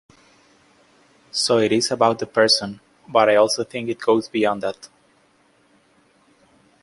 So it is about the person but I also think it goes beyond that.